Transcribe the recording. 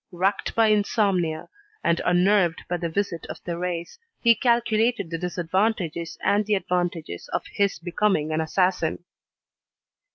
Racked by insomnia, and unnerved by the visit of Thérèse, he calculated the disadvantages and the advantages of his becoming an assassin.